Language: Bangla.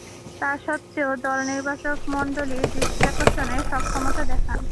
তাসত্ত্বেও দল নির্বাচকমণ্ডলীর দৃষ্টি আকর্ষণে সক্ষমতা দেখান।